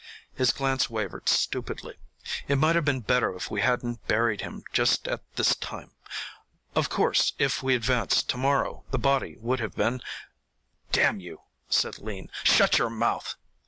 His glance wavered stupidly. "It might have been better if we hadn't buried him just at this time. Of course, if we advance to morrow the body would have been " "Damn you," said Lean, "shut your mouth!"